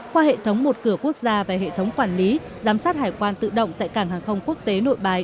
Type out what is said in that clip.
qua hệ thống một cửa quốc gia và hệ thống quản lý giám sát hải quan tự động tại cảng hàng không quốc tế nội bài